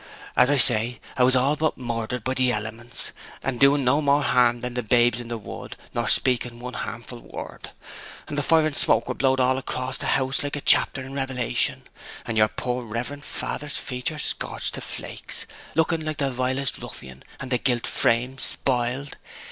As I say, 'a was all but murdered by the elements, and doing no more harm than the babes in the wood, nor speaking one harmful word. And the fire and smoke were blowed all across house like a chapter in Revelation; and your poor reverent father's features scorched to flakes, looking like the vilest ruffian, and the gilt frame spoiled!